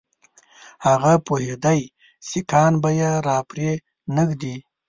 هغه پوهېدی سیکهان به یې را پرې نه ږدي.